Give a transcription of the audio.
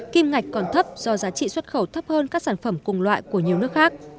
kim ngạch còn thấp do giá trị xuất khẩu thấp hơn các sản phẩm cùng loại của nhiều nước khác